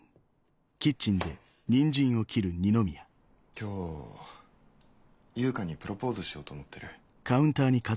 今日悠香にプロポーズしようと思ってる。